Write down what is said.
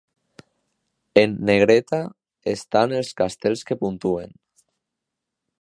En negreta estan els castells que puntuen.